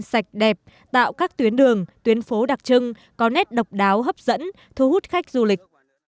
sạch đẹp tạo các tuyến đường tuyến phố đặc trưng có nét độc đáo hấp dẫn thu hút khách du lịch